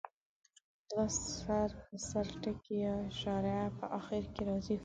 دوه سر په سر ټکي یا شارحه په اخر کې راځي.